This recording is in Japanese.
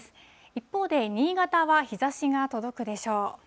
一方で、新潟は日ざしが届くでしょう。